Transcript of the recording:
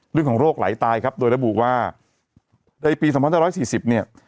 เรื่องของโรคไหลตายครับโดยระบุว่าในปีสำหรับเจ้าร้อยสี่สิบเนี้ย